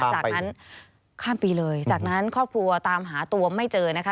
จากนั้นข้ามปีเลยจากนั้นครอบครัวตามหาตัวไม่เจอนะคะ